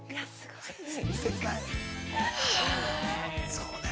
◆そうね。